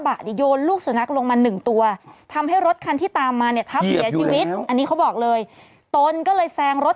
มาลงมา๑ตัละทำให้รถคันที่ตามมาถูกเยียบอันนี้เขาบอกเลยต้นก็เลยแสงรถ